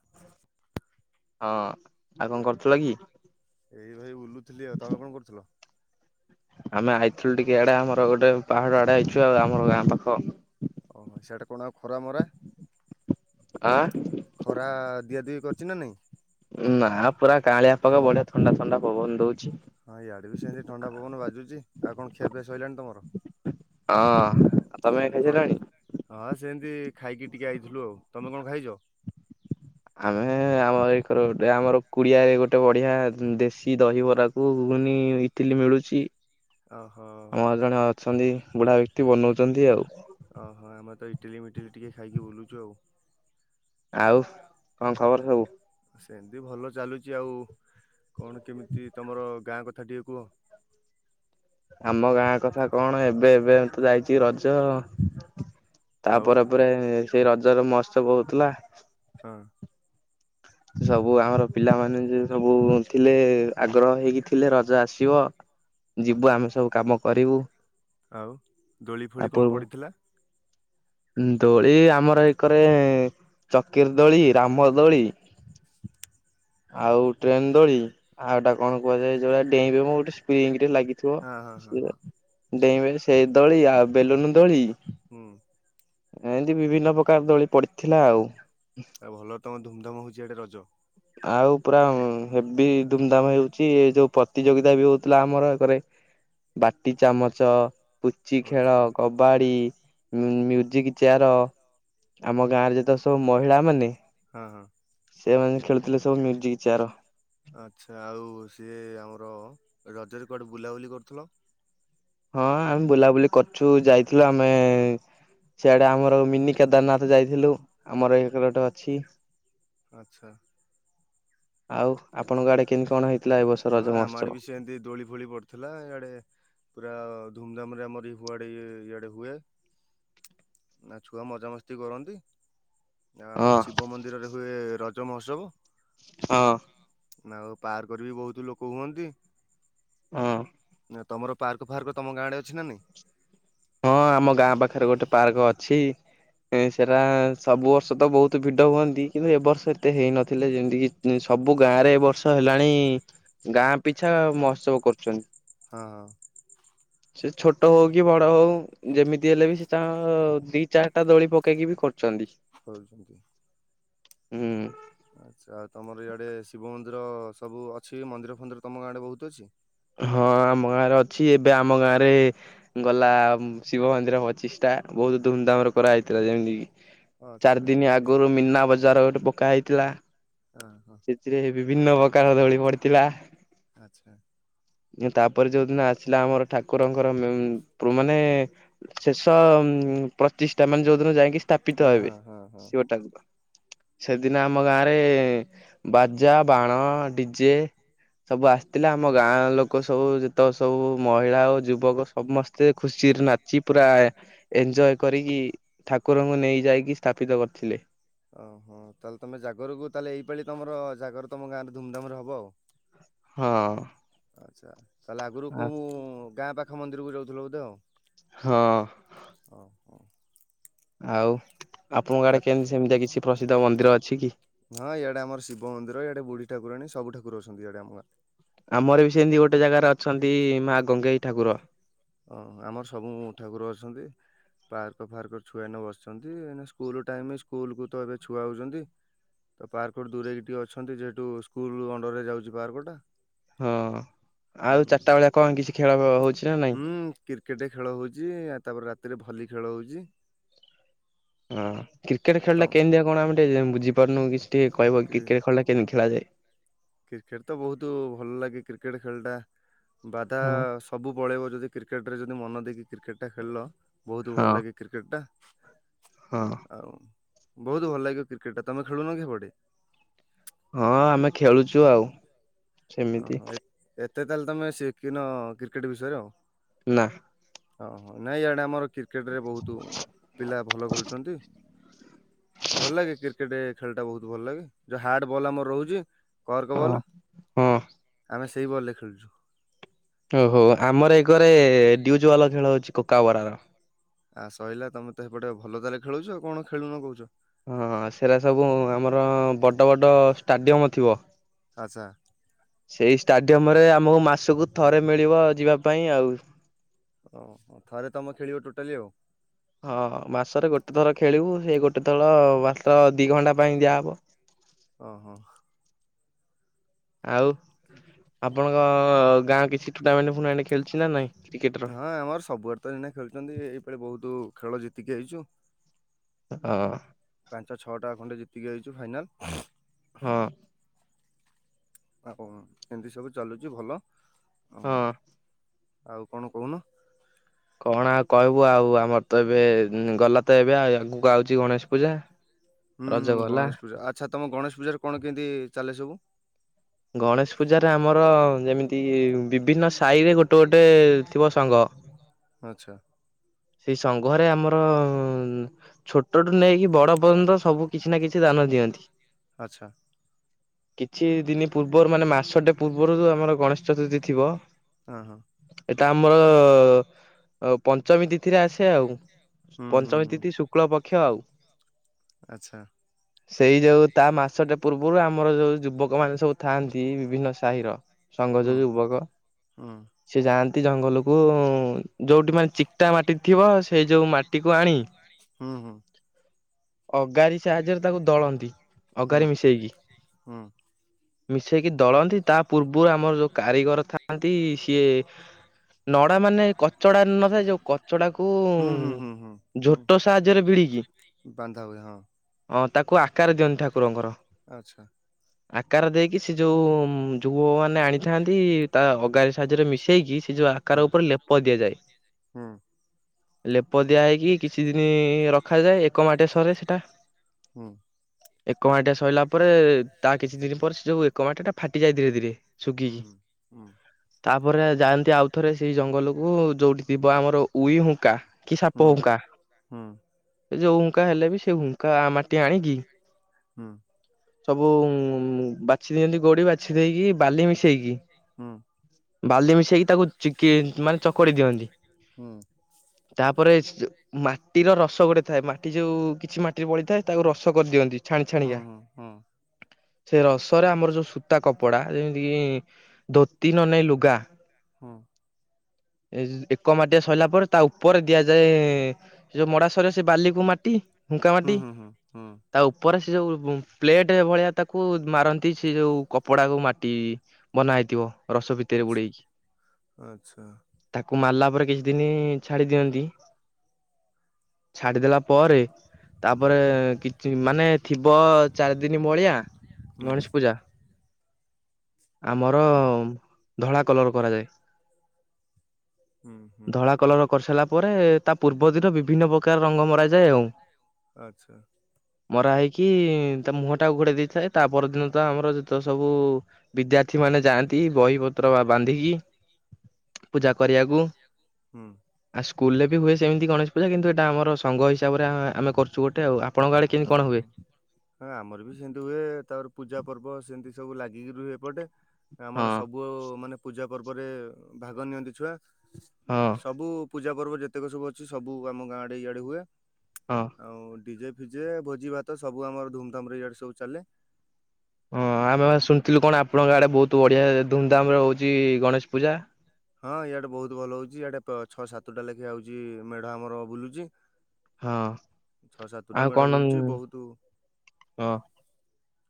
[inaudible] ହଁ ଆଉ କଣ କରୁଥିଲ କି? ଏଇ ଭାଇ ବୁଲୁଥିଲି ଆଉ ତମେ କଣ କରୁଥିଲ? ଆମେ ଆଇଥିଲୁ ଟିକେ ଆଡେ ଆମର ଗୋଟେ ପାହାଡ ଆଡେ ଆଇଛୁ ଆଉ ଆମର ଗାଁ ପାଖ। ଓହୋ ସେଆଡେ କଣ ଆଉ ଖରା ମରା। ଆଁ। ଖରା ଦିଆ ଦିଇ କରିଛି ନା ନାଇଁ। ନା ପୁରା କାଆଁଳିଆ ପାଗ ବଢିଆ ଥଣ୍ଡା ଥଣ୍ଡା ପବନ ଦଉଛି। ହଁ ଇଆଡେ ବି ସେମିତି ଥଣ୍ଡା ପବନ ବାଜୁଛି ଆଉ କଣ ଖିଆପିଆ ସଇଲାଣି ତମର? ହଁ ତମେ ବି କଣ ଖାଇସାଇଲଣି? ହଁ ସେମତି ଖାଇକି ଟିକେ ଆଇଥିଲୁ ଆଉ ତମେ କଣ ଖାଇଚ? ଆମେ ଆମ ଏଇକର ଗୋଟେ ଆମର କୁଡିଆରେ ଗୋଟେ ବଢିଆ ଦେଶୀ ଦହିବରାକୁ ଘୁଗୁନି ଇଟିଲୀ ମିଳୁଛି ଓହୋ ଆମର ଜଣେ ଅଛନ୍ତି ବୁଢା ବ୍ୟକ୍ତି ବନଉଛନ୍ତି ଆଉ। ଓହୋ ଆମେ ତ ଇଟିଲି ମିଟିଲି ଟିକେ ଖାଇକି ବୁଲୁଛୁ ଆଉ। ଆଉ କଣ ଖବର ସବୁ? ସେମିତି ଭଲ ଚାଲୁଚି, ଆଉ କଣ କେମିତି ତମର ଗାଁ କଥା ଟିକେ କୁହ। ଆମ ଗାଁ କଥା କଣ ଏବେ ଏବେ ତ ଯାଇଛି ରଜ। ତା ଆଉ ପରେ ପରେ ସେଇ ରଜରେ ମହୋତ୍ସବ ହଉଥିଲା। ହଁ। ସବୁ ଆମର ପିଲାମାନେ ଯେ ସବୁ ଥିଲେ ଆଗ୍ରହ ହେଇକି ଥିଲେ ରଜ ଆସିବ। ଯିବୁ ଆମେ ସବୁ କାମ କରିବୁ। ଆଉ ଦୋଳି ତା ଫୋଳି କଣ ପୂର୍ବ ପଡ଼ିଥିଲା? ଦୋଳି ଆମର ଏକରେ ଚକିରି ଦୋଳି, ରାମ ଦୋଳି ଆଉ ଟ୍ରେନ ଦୋଳି ଆଉଏଟା କଣ କୁହାଯାଏ ଯଉଟା ଡେଇଁ ବେ ମ ଗୋଟେ ସ୍ପ୍ରିଙ୍ଗ ଟେ ଲାଗି ଥୁଅ ହଁ ହଁ ହଁ ସେ ହଁ ଡେଇଁବେ ସେ ଦୋଳି ଆଉ ବେଲୁନ ଦୋଳି। ହୁଁ। ଏମତି ବିଭିନ୍ନ ପ୍ରକାର ଦୋଳି ପଡିଥିଲା ଆଉ। ଆଉ ଭଲ ତମ ଧୁମଧାମ ହଉଛି ଏଆଡେ ରଜ। ଆଉ ପୁରା ହେବୀ ଦୁମଧାମ ହେଉଛି ଏ ଯୋଉ ପ୍ରତିଯୋଗିତା ବି ହଉଥିଲା ଆମର ଏକରେ। ବାଟି ଚାମଚ। ପୁଚି ଖେଳ, ଆଚ୍ଛା କବାଡି, ମ୍ୟୁଜିକ ଚେୟାର। ଆମ ଗାଁ ରେ ଯେତକ ସବୁ ମହିଳା ମାନେ ହଁ ହଁ। ସେମାନେ ଖେଳୁଥିଲେ ସବୁ ମ୍ୟୁଜିକ ଚେୟାର। ଆଚ୍ଛା ଆଉ ସିଏ ଆମର ରଜରେ କୁଆଡ଼େ ବୁଲାବୁଲି କରୁଥିଲ? ହଁ ଆମେ ବୁଲାବୁଲି କରୁଛୁ ଯାଇଥିଲୁ ଆମେ ସିଆଡେ ଆମର ମିନି କେଦାରନାଥ। ଯାଇଥିଲୁ ଆମର ଏଇଠୀ ଗୋଟେ ଅଛି। ଆଛା। ଆଉ ଆପଣଙ୍କ ଆଡେ କେମିତି କଣ ହେଇଥିଲା ଏ ବର୍ଷ ରଜ ହଁ ଆମ ମହୋତ୍ସବ ଆଡେ ବି ସେମିତି ଦୋଳି ଫୋଳି ପଡିଥିଲା ଇଆଡେ ପୁରା ଧୁମଧାମ ରେ ଆମର ଇ ହୁଆଡେ ଇଆଡେ ହୁଏ। ନା ଛୁଆ ମଜା ମସ୍ତି କରନ୍ତି। ନା ହଁ ଆମର ଶିବ ମନ୍ଦିରରେ ହୁଏ ରଜ ମହୋତ୍ସବ। ହଁ। ଆଉ ପାର୍କରେ ବି ବହୁତ ଲୋକ ହୁଅନ୍ତି। ହଁ। ନା ତମର ପାର୍କ ଫାର୍କ ତମ ଗାଁ ଆଡେ ଅଛି ନାହିଁ। ହଁ ଆମ ଗାଁ ପାଖରେ ଗୋଟେ ପାର୍କ ଅଛି। ସେରା ସବୁ ବର୍ଷ ତ ବହୁତ ଭିଡ ହୁଅନ୍ତି କିନ୍ତୁ ଏ ବର୍ଷ ଏତେ ହେଇନଥିଲେ ଯେମିତି କି ସବୁ ଗାଁ ରେ ଏ ବର୍ଷ ହେଲାଣି ଗାଁ ପିଛା ମହୋତ୍ସବ କରୁଛନ୍ତି। ହଁ ହଁ। ସେ ଛୋଟ ହଉ କି ବଡ ହଉ। ଯେମିତି ହେଲେ ବି ସେ ତା ଦି ଚାରିଟା ଦୋଳି ପକେଇକି ବି କରୁଛନ୍ତି। କରୁଚନ୍ତି। ହୁଁ। ଆଚ୍ଛା ଆଉ ତମର ଇଆଡେ ଶିବ ମନ୍ଦିର ସବୁ ଅଛି ମନ୍ଦିର ଫନ୍ଦିର ତମ ଗାଁଆଡେ ବହୁତ ଅଛି। ହଁ ଆମ ଗାଁରେ ଅଛି ଏବେ ଆମ ଗାଁ ରେ ଗଲା ଶିବ ମନ୍ଦିର ପଚିଶ ଟା ବହୁତ ଧୁମଧାମରେ କରାହେଇଥିଲା ଯେମିତି କି? ଆଚ୍ଛା ଚାରି ଦିନି ଆଗରୁ ମନା ବଜାର ଗୋଟେ ପକା ହେଇଥିଲା। ହଁ ହଁ। ସେଥିରେ ବିଭିନ୍ନ ପ୍ରକାର ଦୋଳି ପଡିଥିଲା। ଆଚ୍ଛା। ତାପରେ ଯୋଉଦିନ ଆସିଲା ଆମର ଠାକୁରଙ୍କର ପ୍ରୁ ମାନେ ଶେଷ ଉ ପ୍ରତିଷ୍ଠା ମାନେ ଯୋଉଦିନ ଯାଇକି ହଁ ସ୍ଥାପିତ ହଁ ହେବେ ହଁ ହଁ। ଶିବ ଟାକୁର। ସେଦିନ ଆମ ଗାଁରେ ବାଜା ବାଣ ଡିଜେ ସବୁ ଆସିଥିଲା ଆମ ଗାଁ ଲୋକ ସବୁ ଯେତେବେଳେ ସବୁ ମହିଳା ଆଉ ଯୁବକ ସମସ୍ତେ ଖୁସିରେ ନା ଚି ପୁରା ଏଞ୍ଜୟ କରିକି ଠାକୁରଙ୍କୁ ନେଇ ଯାଇକି ସ୍ଥାପିତ କରିଥିଲେ। ଓହଁ ତାହେଲେ ତମେ ଜାଗରକୁ ତାହେଲେ ଏଇପାଳି ତମର ଜାଗର ତମ ଗାଁ ରେ ଧୁମଧାମ ରେ ହବ ଆଉ। ହଁ। ଆଛା ତାହେଲେ ଆଗରୁ କୁଁ ଗାଁ ପାଖ ମନ୍ଦିରକୁ ଯାଉଥିଲ ବୋଧେ ଆଉ? ହଁ। ଓ ହ। ଆଉ ଆପଣଙ୍କ ଆ ଆଡେ କେମତି ସେମିତିଆ କିଛି ପ୍ରସିଦ୍ଧ ମନ୍ଦିର ଅଛି କି? ହଁ ଇଆଡେ ଆମ ଶିବ ମନ୍ଦିର ଇଆଡେ ବୁଢି ଠାକୁଣୀ ସବୁଠାକୁର ଅଛନ୍ତି ଇଆଡେ ଆମ ଗରେ। ଆମର ବି ସେମିତି ଗୋଟେ ଜାଗାରେ ଅଛନ୍ତି ମା ଗଙ୍ଗେଇ ଠାକୁର। ହଁ ଆମର ସବୁ ଠାକୁର ଅଛନ୍ତି। ପାର୍କ ଫାର୍କ ଛୁଆ ନେ ବସିଛନ୍ତି ଏଇନ ସ୍କୁଲ ଟାଇମ ସ୍କୁଲ କୁ ତ ଏବେ ଛୁଆ ହଉଛନ୍ତି। ତ ପାର୍କୁ ଦୂରେଇକି ଟିକେ ଅଛନ୍ତି ଯେହେତୁ ସ୍କୁଲ ଅଣ୍ଡର ରେ ଯାଉଛି ପାର୍କ ଟା। ହଁ ଆଉ ଚାରିଟା ବେଳିଆ କଣ କିଛି ଖେଳ ହଉଛି ନା ନାଇଁ? ହୁଁ କ୍ରିକେଟ ଖେଳ ହଉଛି ଆ ତାପରେ ରାତିରେ ଭଲି ଖେଳ ହଉଛି। ହଁ କ୍ରିକେଟ ଆଉ ଖେଳ ଟା ତମ କେମତିଆ କଣ ଆମେ ଟିକେ ବୁଝିପାରୁନୁ କି ଟିକେ କହିବ କି କ୍ରିକଟ ଖେଳ ଟା କେମି ଖେଳା ଯାଏ? କ୍ରିକେଟ ତ ବହୁତ ଭଲ ଲାଗେ କ୍ରିକେଟ ଖେଳଟା ବାଧା ହଁ ସବୁ ପଳେଇବ ଯଦି କ୍ରିକେଟରେ ଯଦି ମନ ଦେଇକି କ୍ରିକେଟଟା ଖେଳିଲ ବହୁତ ହଁ ଭଲ ଲାଗେ। କ୍ରିକେଟ୍ଟା। ହଁ। ଆଉ ବହୁତ ଭଲ ଲାଗିବ କ୍ରିକେଟ ଟା। ତମେ ଖେଳୁନ କି ହେପଟେ? ହଁ ଆମେ ଖେଳୁଛୁ ଆଉ। ସେମିତି ଓହୋ ଏ ଏତେ ତାହେଲେ ତମେ ଶିଖିନ କ୍ରିକେଟ ବିଷୟରେ ଆଉ। ନା। ହଁ ହଁ ନାଇଁ ଆୟଡ଼େ ଆମର କ୍ରିକେଟରେ ବହୁତ ପିଲା ଭଲ ଖେଳୁଛନ୍ତି। ଭଲ ଲାଗେ। କ୍ରିକେଟ ଖେଳ ଟା ବହୁତ ଭଲ ଲାଗେ। ଯୋଉ ହାର୍ଡ ବଲ୍ ଆମର ରହୁଛି। କର୍କ ବଲ୍ ହଁ। ହଁ ଆମେ ସେଇ ବଲରେ ଖେଳୁଛୁ। ଓହୋ ଆମର ଏ ଘରେ ଡିଉଜୱାଲା ଖେଳ ହେଉଛି। କୋକ ବରା ର। ଆଁ ସହିଲା ତମେ ତ ସେପଟେ ଭଲ ତାହାଲେ ଖେଳୁଛ ଆଉ କଣ ଖେଳୁନ କହୁଛ? ହଁ ସେଟା ସବୁ ଆମର ବଡ଼, ବଡ଼ ଷ୍ଟାଡିୟମ ଥିବ। ଆଛା। ସେଇ ଷ୍ଟାଡିୟମ ରେ ଆମକୁ ମାସକୁ ଥରେ ମିଳିବ ଯିବା ପାଇଁ ଆଉ। ଓହୋ ଥରେ ତମେ ଖେଳିବ ଟୋଟାଲି ଆଉ। ହଁ ମାସରେ ଗୋଟେ ଥର ଖେଳିବୁ। ହେଇ ଗୋଟେ ଥର ମାସ ଦିଇ ଘଣ୍ଟା ପାଇଁ ଦିଆହେବ। [inaudible] ଓହୋ। ଆଉ ଆପଣଙ୍କ ଗାଁ କିଛି ଟୁର୍ଣ୍ଣାମେଣ୍ଟ ଫୁର୍ଣେଣ୍ଟ ଖେଳୁଛି ନା ନାଇଁ? କ୍ରିକେଟର? ହଁ ଆମର ସବୁ ଆଡେ ତ ଏଇନା ଖେଳୁଛନ୍ତି। ଏଇପାଳି ବହୁତ ଖେଳ ଜିତିକି ଆଇଛୁ। ଓହ। ପାଞ୍ଚ, ଛଅଟା ଖଣ୍ଡେ ଜିତିକି ଆଇଛୁ ଫାଇନାଲ୍। ହଁ। ଆଉ କଣ ଏମିତି ସବୁ ଚାଲୁଛି ଭଲ ହଁ ଆଉ କଣ କହୁନ? କଣ ଆଉ କହିବୁ ଆଉ। ଆମର ତ ଏବେ ଗଲା ତ ଏବେ। ଆଉ ଆଗକୁ ଆଉଛି ଗଣେଶ ପୂଜା। ହୁଁ ରଜ ହୁଁ ଗଲା। ଗଣେଶ ପୂଜା ଆଚ୍ଛା। ତମ ଗଣେଶ ପୂଜାରେ କଣ କେମିତି ଚାଲେ ସବୁ? ଗଣେଶ ପୂଜାରେ ଆମର ଯେମିତି ବିଭିନ୍ନ ସାହିରେ ଗୋଟେ, ଗୋଟେ ଥିବ ସଂଘ। ଆଛା। ସେଇ ସଂଙ୍ଘରେ ଆମର ଛୋଟଠୁ ନେଇକି ବଡ ପର୍ଯ୍ୟନ୍ତ ସବୁ କିଛି ନା କିଛି ଦାନ ଦିଅନ୍ତି ଆଚ୍ଛା କିଛି ଦିନ ପୂର୍ବରୁ ମାନେ ମାସଟେ ପୂର୍ବରୁ ଯୋଉ ଆମର ଗଣେଶ ଚତୁର୍ଥୀ ଥିବ। ହଁ ହଁ ଏଇଟା ଆମର ପଞ୍ଚମୀ ତିଥି ଆସେ ଆଉ। ହୁଁ ହୁଁ ପଞ୍ଚମୀ ହୁଁ ତିଥି ଶୁକ୍ଳ ପକ୍ଷ ଆଉ ଆଛା। [inaudible] ସେଇ ଯୋଉ ତା ମାସଟା ପୂର୍ବରୁ ଆମର ଯୋଉ ଯୁବକ ମାନେ ସବୁ ଥାଆନ୍ତି। ବିଭିନ୍ନ ସାହିର ସଂଘ ହୁଁ ଯୋଉ ଯୁବକ। ହୁଁ ସେ ଯାଆନ୍ତି ଜଙ୍ଗଲକୁ। ଯୋଉଠି ମାନେ ଚିକ୍ଟା ମାଟି ଥିବ। ସେଇ ଯୋଉ ମାଟିକୁ ଆଣି ହୁଁ ହୁଁ ଅଗାରି ସାହାଯ୍ୟରେ ତାକୁ ଦଳନ୍ତି। ହୁଁ ଅଗାରି ମିଶେଇକି ହୁଁ ମିଶେଇକି ଦଳନ୍ତି। ତା ପୂର୍ବରୁ ଆମର ଯୋଉ କାରିଗର ଥାଆନ୍ତି। ସିଏ ନଡା ମାନେ କଚଡା ନଥାଏ। ଯୋଉ କଚଡା କୁ ହୁଁ ହୁଁ ହୁଁ ହୁଁ ହୁଁ ଝୋଟ ସାହାଯ୍ୟରେ ଭିଡିକି ବାନ୍ଧା ହୁଏ ହଁ ହଁ ତାକୁ ଆକାର ଦିଅନ୍ତି ଠାକୁରଙ୍କର। ଆଚ୍ଛା। ଆକାର ଦେଇକି ସେ ଯୋଉ ଯୁବ ମାନେ ଆଣି ଥାନ୍ତି। ତା ଅଗାରି ସାହାଯ୍ୟରେ ମିଶେଇକି ସେ ଯୋଉ ହୁଁ ଆକାର ଉପରେ ଲେପ ଦିଆଯାଏ। ଲେପ ଦିଆ ହେଇକି କିଛି ଦିନ ରଖାଯାଏ। ଏକ ମାଟି ସରେ ସେଟା ହୁଁ ଏକ ମାଟିଟା ସରିଲା ପରେ ତା କିଛି ଦିନ ପରେ ସେ ଯୋଉ ଏକ ମାଟିଟା ଫାଟିଯାଏ ଧୀରେ ଧୀରେ ଶୁଖିକି ହୁଁ ହୁଁ ତାପରେ ଯାଆନ୍ତି ଆଉଥରେ ସେଇ ଜଙ୍ଗଲକୁ ଯୋଉଠି ଥି ବା ଆମର ଉଇ ହୁଙ୍କା କି ସାପ ହୁଁ ହୁଙ୍କା ହୁଁ ଯୋଉ ହୁଙ୍କା ହେଲେ ବି ସେ ହୁଙ୍କା କା ମାଟି ଆଣିକି ହୁଁ ସବୁ ବାଛି ଦିଅନ୍ତି ଗୋଡି ବାଛି ଦେଇକି ବାଲି ମିଶେଇକି ହୁଁ ବାଲି ମିଶାଇକି ତାକୁ ଚିକି ମାନେ ଚକଡି ଦିଅନ୍ତି। ହଁ। ତାପରେ ମାଟିର ରସ ଗୋଟେ ଥାଏ ମାଟି ଯୋଉ କିଛି ମାଟି ବଳିଥାଏ ତାକୁ ରସ କରିଦିଅନ୍ତି। ଛାଣି ହୁଁ ଛାଣିକା। ହୁଁ ସେ ରସରେ ଆମର ଯୋଉ ସୂତା କପଡା ଯେମିତି କି ଧୋତି ନହେଲେ ନାଇ ଲୁଗା। ହଁ। ଏ ଏକ ମାଟିଆ ସରିଲା ପରେ ତା ଉପରେ ଦିଆଯାଏ ଯୋଉ ମଡା ସେ ବାଲିକୁ ମାଟି ହୁଙ୍କା ହୁଁ ହୁଁ ହୁଁ ହୁଁ ମାଟି ହୁଁ ହୁଁ ତା ଉପରେ ସେ ଯୋଉ ପ୍ଲେଟ୍ ସେ ଭଳିଆ ତାକୁ ମାରନ୍ତି ସେ ଯୋଉ କପଡାକୁ ମାଟି ବନା ହେଇଥିବ। ରସ ଭିତରେ ଆଚ୍ଛା ବୁଡ଼େଇକି। ଆଚ୍ଛା ତାକୁ ମାରିଲା ପରେ କିଛି ଦିନ ଛାଡି ଦିଅନ୍ତି ଛାଡିଦେଲା ପରେ ତାପରେ କିଛି ମାନେ ଥିବ ଚାରି ଦିନ ମଳିଆ ହୁଁ ଗଣେଶ ପୂଜା ଆମର ଧଳା କଲର କରାଯାଏ। ହୁଁ ହୁଁ ଧଳା କଲର କରିସାରିଲା ପରେ ତା ପୂର୍ବ ଦିନ ବିଭିନ୍ନ ପ୍ରକାର ରଙ୍ଗ ମରାଯାଏ ଆଉ ଆଚ୍ଛା ମରା ହେଇକି ତା ମୁହଁଟାକୁ ଘୋଡେଇ ଦେଇଥାଏ ତା ପରଦିନ ତ ଆମର ତ ସବୁ ବିଦ୍ୟା ମୁଁ ମାନେ ଯାଆନ୍ତି ବହି ପତ୍ର ବା ବାନ୍ଧିକି ପୂଜା କରିବାକୁ। ହଁ। ଆଉ ସ୍କୁଲ ରେ ବି ହୁଏ ସେମିତି ଗଣେଶ ପୂଜା କିନ୍ତୁ ଏଟା ଆମର ସଙ୍ଘ ହିସାବରେ ଆମେ କରୁଚୁ ଗୋଟେ ଆଉ। ଆପଣଙ୍କ ଆଡେ କେମିତି କଣ ହୁଏ ଓହ। ହଁ ଆମର ବି ସେମିତି ହୁଏ ତାପରେ ପୂଜା ପର୍ବ ସେମିତି ସବୁ ଲାଗିକିରି ରୁହେ। ଏପଟେ ହଁ ଆମର ସବୁ ପୁଅ ମାନେ ପୂଜା ପର୍ବରେ ଭାଗ ନିଅନ୍ତି ଛୁଆ ହଁ ସବୁ ପୂଜା ପର୍ବ ଯେତେକ ସବୁ ଅଛି ସବୁ ଆମ ଗାଁ ଆଡେ ଇଆଡେ ହୁଏ। ହଁ। ଆଉ ଡିଜେ ଫିଜେ ଭୋଜି ଭାତ ସବୁ ଆମର ଧୁମଧାମ୍ ରେ ଇଆଡ଼େ ସବୁ ଚାଲେ। ହଁ ଆମେ ବା ଶୁଣିଥିଲୁ କଣ ଆପଣଙ୍କ ଆଡେ ବହୁତ ବଢିଆ ଧୁମଧାମରେ ହଉଛି ଗଣେଶ ପୂଜା। ହଁ ଇଆଡ଼େ ବହୁତ ଭଲ ହଉଛି ଇଆଡ଼େ ଛଅ ସାତଟା ଲେଖାଏ ଆଉଛି ମେଢ ଆମର ବୁଲୁଛି। ହଁ। ଛଅ ସାତଟା ଆଉ ମେଢ କଣ ବୁଲୁଚି ବହୁତ। ହଁ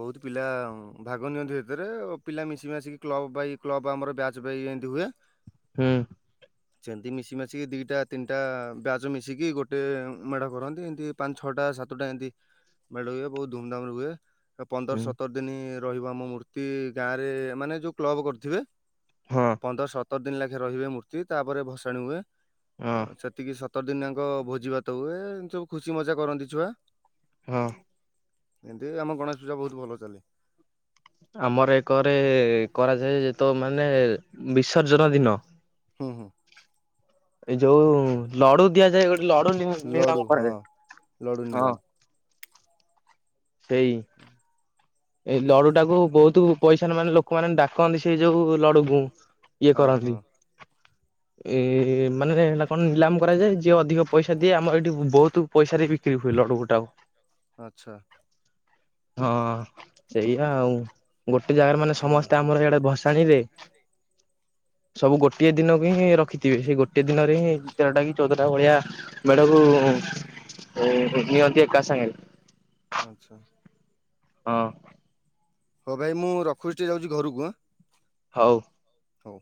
ବହୁତ ପିଲା ଭାଗ ନିଅନ୍ତି ଏଥିରେ ପିଲା ମିଶି ମାସିକି କ୍ଲବ ବାଇ କ୍ଲବ ଆମର ବ୍ୟାଚ୍ ବାଇ ଏମିତି ହୁଏ। ହୁଁ। ସେମିତି ମିଶି ମାଶିକି ଦୁଇଟା ତିନିଟା ବ୍ୟାଚ୍ ମିଶିକି ଗୋଟେ ମେଢ଼ କରନ୍ତି। ଏମତି ପାଞ୍ଚ ଛଅଟା ସାତଟା ଏମିତି ମେଢ଼ ହୁଏ। ବହୁତ ଧୁମଧାମ ରେ ହୁଏ ହୁଁ ପନ୍ଦର ସତର ଦିନ ରହିବ ଆମ ମୂର୍ତ୍ତି ଗାଁ ରେ ମାନେ ଯୋଉ କ୍ଲବ କରିଥିବେ। ହଁ। ପନ୍ଦର ସତର ଦିନ୍ ଲାଖେ ରହିବେ ମୂର୍ତ୍ତି ତାପରେ ଭସାଣି ହୁଏ ହଁ ସେ ଏତିକି ସତର ଦିନାଙ୍କ ଭୋଜି ଭାତ ହୁଏ ଏନ୍ତି ସବୁ ଖୁସି ମଜା କରନ୍ତି ଛୁଆ। ହଁ। ଏମିତି ରେ ଆମ ଗଣେଶ ପୂଜା ବହୁତ ଭଲ ଚାଲେ। ଆମର ଏକରେ କରାଯାଏ ଯେତକ ମାନେ ବିସର୍ଜନ ଦିନ ହୁଁ ହୁଁ। ଏଇ ଯୋଉ ଲଡୁ ଦିଆଯାଏ ଗୋଟେ ଲଡୁ ନି ଲଡୁ ନିଲାମ ହଁ। ଲଡୁ କରାଯାଏ। ହଁ। ନିଲାମ ଏଇ [inaudible] ଏଇ ଲଡୁ ଟାକୁୁ ବହୁତୁ ପଇସାରେ ମାନେ ଲୋକମାନେ ଡାକନ୍ତି ସେଇ ଯୋଉ ଲଡୁକୁ। ମୁଁ ଇଏ ହଁ ହଁ କରନ୍ତି। ଏ ମାନେ ନା କଣ ନିଲାମ୍ କରାଯାଏ ଯିଏ ଅଧିକ ପଇସା ଦିଏ ଆମର ଏଇଠି ବହୁତୁ ପଇସାରେ ବିକ୍ରି ହୁଏ ଲଡୁ ଗୋଟାକ। ଆଚ୍ଛା। ହଁ ସେଇଆ ଆଉ ଗୋଟେ ଜାଗାରେ ମାନେ ହୁଁ ସମସ୍ତେ ହୁଁ ଆମର ଇଆଡେ ଭସାଣିରେ ସବୁ ଗୋଟିଏ ଦିନକୁ ହିଁ ରଖିଥିବେ ସେଇ ଗୋଟିଏ ଦିନରେ ହିଁ ତେରଟା କି ଚଉଦଟା ଭଳିଆ ମେଢ଼କୁ ନିଅନ୍ତି ଏକା ସାଙ୍ଗେରେ। ଆଚ୍ଛା। ହଁ। ହଉ ଭାଇ ମୁଁ ରଖୁଛି ଟିକେ ଯାଉଛି ଘରୁକୁ ଆଁ। ହଉ। ହଉ।